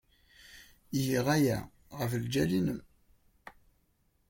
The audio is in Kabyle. Giɣ aya ɣef lǧal-nnem.